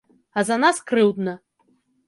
А за нас крыўдна.